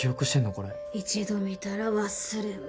これ一度見たら忘れんば